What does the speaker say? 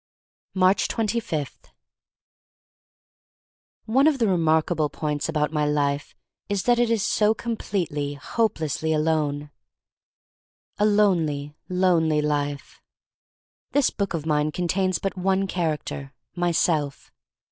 / Aatcb 25* ONE of the remarkable points about my life is that it is so completely, hopelessly alone — a lonely, lonely life. This book of mine contains but one character — myself.